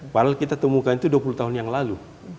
padahal kita temukan itu dua puluh tahun yang lalu